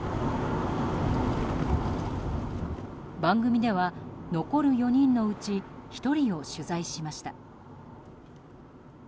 番組では、残る４人のうち１人を取材しました。